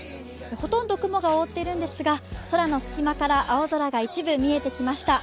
ほとんど雲が覆っているんですが、空の隙間から青空が一部見えてきました。